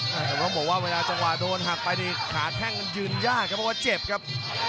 แต่ต้องบอกว่าเวลาจังหวะโดนหักไปนี่ขาแข้งมันยืนยากครับเพราะว่าเจ็บครับ